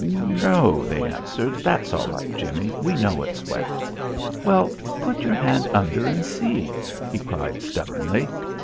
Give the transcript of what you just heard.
"No," they answered. "That's all right, Jimmie. We know it's wet." "Well, put your hand under and see," he cried, stubbornly.